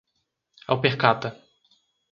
Alpercata